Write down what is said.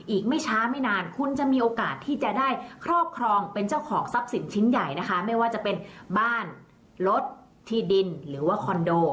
อีกไม่ช้าไม่นานคุณจะมีโอกาสที่จะได้ครอบครองเป็นเจ้าของทรัพย์สินชิ้นใหญ่นะคะไม่ว่าจะเป็นบ้านรถที่ดินหรือว่าคอนโด